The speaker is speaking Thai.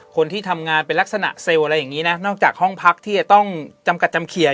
คนที่ทำงานเป็นลักษณะเซลล์อะไรอย่างนี้นะนอกจากห้องพักที่จะต้องจำกัดจำเขียน